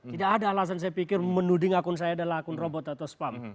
tidak ada alasan saya pikir menuding akun saya adalah akun robot atau spam